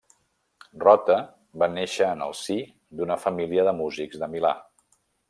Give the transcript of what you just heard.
Rota va néixer en el si d'una família de músics de Milà.